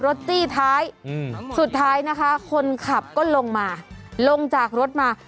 จี้ท้ายสุดท้ายนะคะคนขับก็ลงมาลงจากรถมา